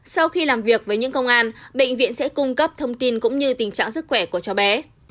sau khi làm việc với những công an bệnh viện sẽ cung cấp thông tin cũng như tình trạng sức khỏe của cháu bé